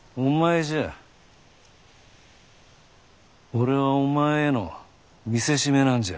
俺はお前への見せしめなんじゃ。